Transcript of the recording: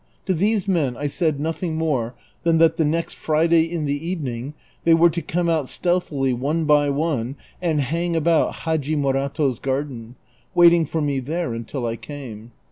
To these men I said nothing more than that the next Friday in the evening, they were to come out stealthily one by one aud hang about Hadji Morato's garden, waiting for me there until I came.